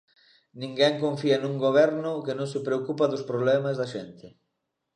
Ninguén confía nun goberno que non se preocupa dos problemas da xente.